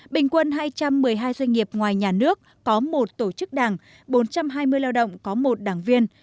bình quân hai trăm một mươi hai doanh nghiệp ngoài nhà nước có một tổ chức đảng bốn trăm hai mươi lao động có một đảng viên